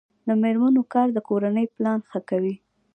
د میرمنو کار د کورنۍ پلان ښه کوي.